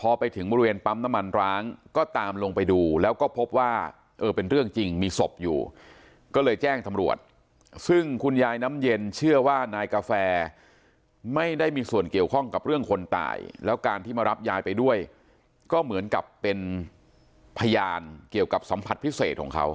พอไปถึงบริเวณปั๊มน้ำมันร้างก็ตามลงไปดูแล้วก็พบว่าเออเป็นเรื่องจริงมีศพอยู่ก็เลยแจ้งตำรวจซึ่งคุณยายน้ำเย็นเชื่อว่านายกาแฟไม่ได้มีส่วนเกี่ยวข้องกับเรื่องคนตายแล้วการที่มารับยายไปด้วยก็เหมือนกับเป็นพยานเกี่ยวกับสัมผัสพิเศษของเขา